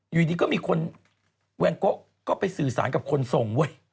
อยู่ดีก็มีคนแวนโกะก็ไปสื่อสารกับคนทรงเว้ย